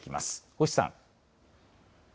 星さん。